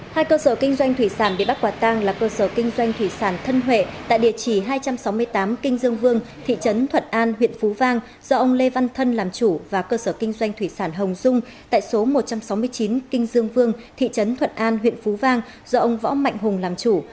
hai cơ sở kinh doanh thủy sản bị bắt quả tang là cơ sở kinh doanh thủy sản thân huệ tại địa chỉ hai trăm sáu mươi tám kinh dương vương thị trấn thuận an huyện phú vang do ông lê văn thân làm chủ và cơ sở kinh doanh thủy sản hồng dung tại số một trăm sáu mươi chín kinh dương vương thị trấn thuận an huyện phú vang do ông võ mạnh hùng làm chủ